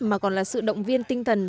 mà còn là sự động viên tinh thần